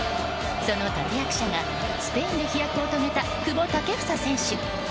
その立役者が、スペインで飛躍を遂げた久保建英選手。